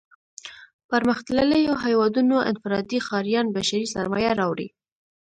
پرمختلليو هېوادونو انفرادي ښاريان بشري سرمايه راوړي.